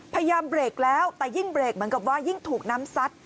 พยายามเบรกแล้วแต่ยิ่งเบรกเหมือนกับว่ายิ่งถูกน้ำซัด